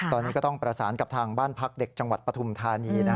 ตอนนี้ก็ต้องประสานกับทางบ้านพักเด็กจังหวัดปฐุมธานี